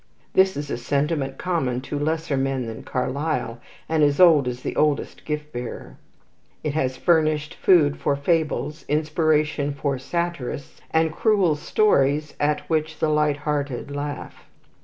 This is a sentiment common to lesser men than Carlyle, and as old as the oldest gift bearer. It has furnished food for fables, inspiration for satirists, and cruel stories at which the light hearted laugh.